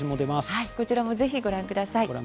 こちらもぜひご覧ください。